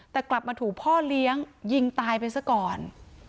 แต่กลับมาถูกพ่อเลี้ยงยิงตายไปซะก่อน